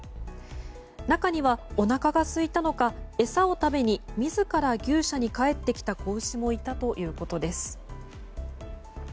中にはおなかがすいたのか餌を食べに自ら牛舎に帰ってきた子牛もいたということです。